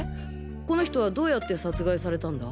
この人はどうやって殺害されたんだ？